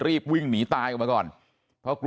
ไม่รู้ตอนไหนอะไรยังไงนะ